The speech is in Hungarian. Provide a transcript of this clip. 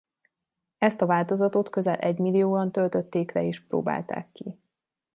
Ezt a változatot közel egymillióan töltötték le és próbálták ki.